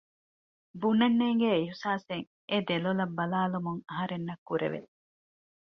ބުނަން ނޭނގޭ އިހުސާސެއް އެ ދެލޮލަށް ބަލާލުމުން އަހަރެންނަށް ކުރެވެ